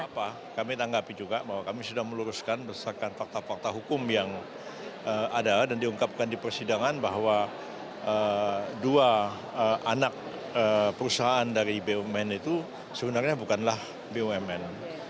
apa kami tanggapi juga bahwa kami sudah meluruskan berdasarkan fakta fakta hukum yang ada dan diungkapkan di persidangan bahwa dua anak perusahaan dari bumn itu sebenarnya bukanlah bumn